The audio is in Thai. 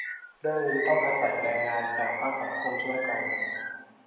เรื่องนี้ต้องอาศัยแรงจากภาคสังคมช่วยกัน